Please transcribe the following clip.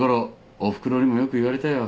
おふくろにもよく言われたよ。